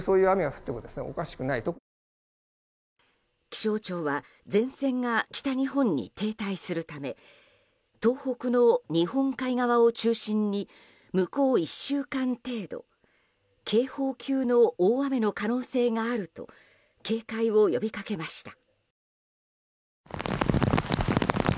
気象庁は前線が北日本に停滞するため東北の日本海側を中心に向こう１週間程度警報級の大雨の可能性があると警戒を呼びかけました。